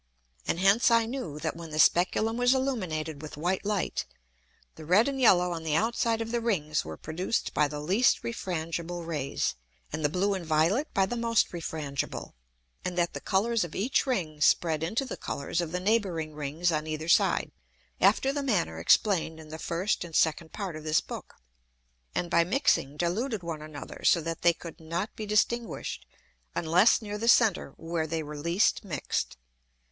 And hence I knew, that when the Speculum was illuminated with white Light, the red and yellow on the outside of the Rings were produced by the least refrangible Rays, and the blue and violet by the most refrangible, and that the Colours of each Ring spread into the Colours of the neighbouring Rings on either side, after the manner explain'd in the first and second Part of this Book, and by mixing diluted one another so that they could not be distinguish'd, unless near the Center where they were least mix'd.